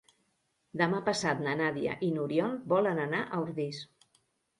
Demà passat na Nàdia i n'Oriol volen anar a Ordis.